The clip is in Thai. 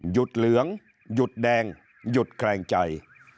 เหลืองหยุดแดงหยุดแคลงใจ